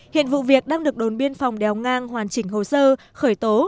hiện vụ việc đang được đồn biên phòng đèo ngang hoàn chỉnh hồ sơ khởi tố